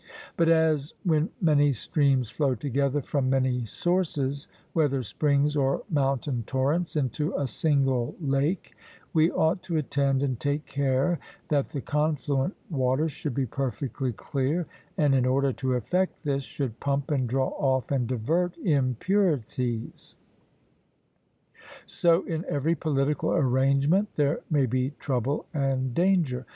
But as, when many streams flow together from many sources, whether springs or mountain torrents, into a single lake, we ought to attend and take care that the confluent waters should be perfectly clear, and in order to effect this, should pump and draw off and divert impurities, so in every political arrangement there may be trouble and danger.